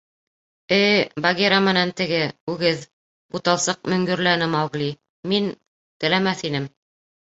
— Э-э, Багира менән теге... үгеҙ... — буталсыҡ мөңгөрләне Маугли, — мин... теләмәҫ инем...